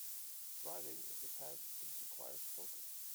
Driving is a task that requires focus.